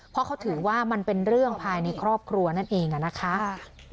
เพราะเขาถือว่ามันเป็นเรื่องภายในครอบครัวนั่นเองนะคะ